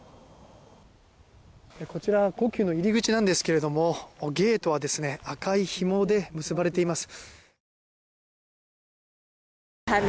こちらは故宮の入り口なんですがゲートは赤いひもで結ばれています。